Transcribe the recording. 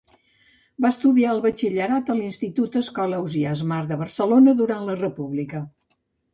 Va estudiar el Batxillerat a l'Institut Escola Ausiàs Marc de Barcelona durant la República.